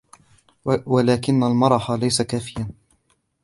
ولكن المرح ليس كافياً.